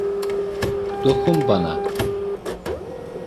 Dokun bana.